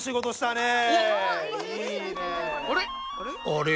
あれ？